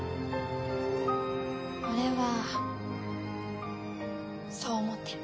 俺はそう思ってる。